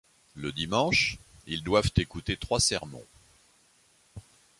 Le dimanche, ils doivent écouter trois sermons.